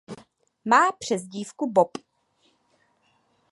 Má přezdívku Bob.